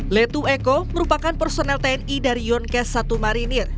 letu eko merupakan personel tni dari yonkes satu marinir